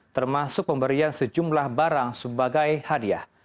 termasuk pemberian sejumlah barang sebagai hadiah